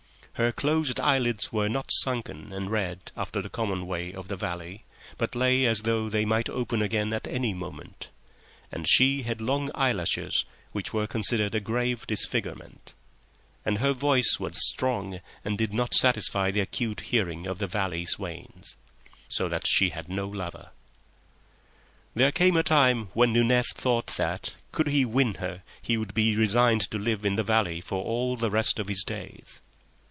Her closed eyelids were not sunken and red after the common way of the valley, but lay as though they might open again at any moment; and she had long eyelashes, which were considered a grave disfigurement. And her voice was weak and did not satisfy the acute hearing of the valley swains. So that she had no lover. There came a time when Nunez thought that, could he win her, he would be resigned to live in the valley for all the rest of his days.